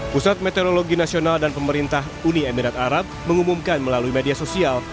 pusat meteorologi nasional dan pemerintah uni emirat arab mengumumkan melalui media sosial